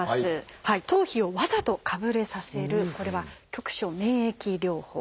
頭皮をわざとかぶれさせるこれは「局所免疫療法」。